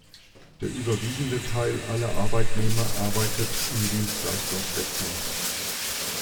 Der überwiegende Teil aller Arbeitnehmer arbeitet im Dienstleistungssektor.